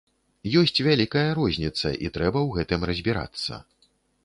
Ёсць вялікая розніца і трэба ў гэтым разбірацца.